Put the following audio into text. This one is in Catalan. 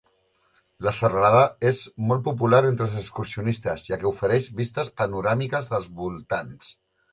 La serralada és molt popular entre els excursionistes, ja que ofereix vistes panoràmiques dels voltants.